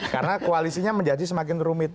karena koalisinya menjadi semakin rumit